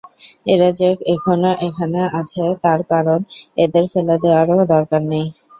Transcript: এরা যে এখনো এখানে আছে তার কারণ, এদের ফেলে দেওয়ারও দরকার নেই।